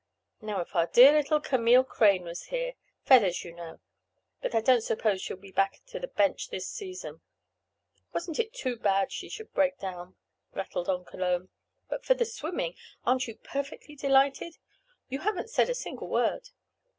Now if our dear little Camille Crane were here—Feathers, you know. But I don't suppose she will be back to the bench this season. Wasn't it too bad she should break down?" rattled on Cologne. "But for the swimming! Aren't you perfectly delighted? You haven't said a single word."